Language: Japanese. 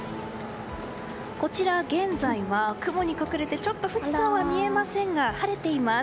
こちら現在は、雲に隠れて富士山は見えませんが晴れています。